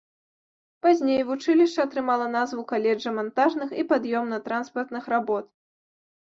Пазней вучылішча атрымала назву каледжа мантажных і пад'ёмна-транспартных работ.